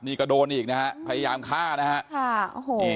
นี่ก็โดนอีกนะฮะพยายามฆ่านะฮะ